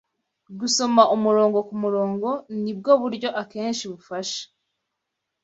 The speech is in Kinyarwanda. gusoma umurongo ku murongo ni bwo buryo akenshi bufasha